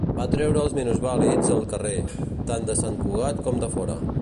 Va treure els minusvàlids al carrer, tant de Sant Cugat com de fora.